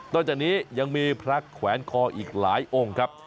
จากนี้ยังมีพระแขวนคออีกหลายองค์ครับ